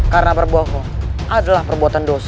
karena berbohong adalah perbuatan dosa